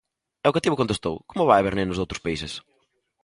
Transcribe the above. E o cativo contestou: "Como vai haber nenos doutros países?"